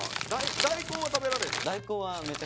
大根は食べられるの？